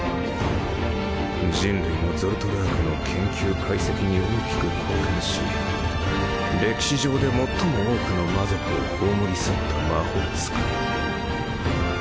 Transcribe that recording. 人類の人を殺す魔法の研究解析に大きく貢献し歴史上で最も多くの魔族を葬り去った魔法使い。